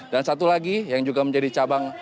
dan satu lagi yang juga menjadi cabang olahraga